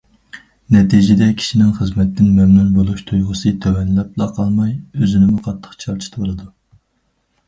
نەتىجىدە، كىشىنىڭ خىزمەتتىن مەمنۇن بولۇش تۇيغۇسى تۆۋەنلەپلا قالماي، ئۆزىنىمۇ قاتتىق چارچىتىۋالىدۇ.